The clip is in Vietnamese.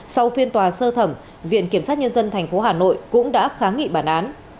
sau phiên tòa sơ thẩm viện kiểm sát nhân dân tp hà nội cũng đã kháng nghị bản án